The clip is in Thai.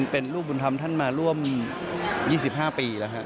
เป็นลูกบุญธรรมท่านมาร่วม๒๕ปีแล้วฮะ